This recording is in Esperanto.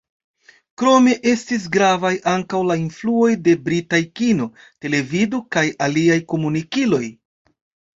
Krome estis gravaj ankaŭ la influoj de britaj kino, televido kaj aliaj komunikiloj.